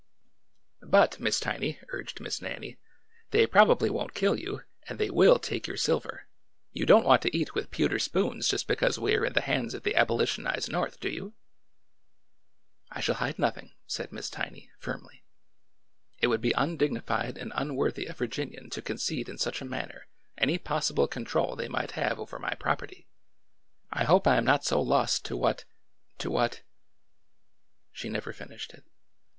'' But, Miss Tiny," urged Miss Nannie, '' they proba 206 A DAY OF SOWING 207 bly won^t kill you, and they will take your silver. You don^t want to eat with pewter spoons just because we are in the hands of the abolitionized North, do you ?'''' I shall hide nothing,'' said Miss Tiny, firmly. It would be undignified and unworthy a Virginian to con cede in such a manner any possible control they might have over my property ! I hope I am not so lost to what —to what—" She never finished it.